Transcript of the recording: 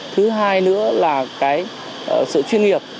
thứ hai nữa là cái sự chuyên nghiệp